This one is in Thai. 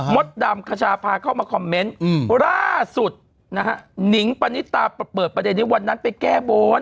ดำขชาพาเข้ามาคอมเมนต์ล่าสุดนะฮะนิงปณิตาเปิดประเด็นในวันนั้นไปแก้บน